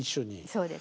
そうですね。